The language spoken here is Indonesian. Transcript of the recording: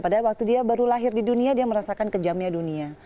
padahal waktu dia baru lahir di dunia dia merasakan kejamnya dunia